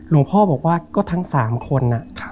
หลวงพ่อบอกว่าก็ทั้ง๓คน